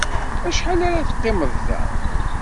Acḥal ara teqqimeḍ da?